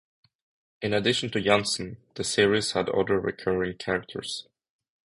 In addition to Janssen, the series had other recurring characters.